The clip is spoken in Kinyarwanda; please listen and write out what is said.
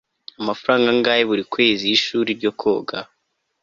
amafaranga angahe buri kwezi yiri shuri ryo koga